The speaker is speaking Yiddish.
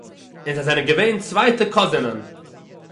און זיי זענען געווען צווייטע קוזינען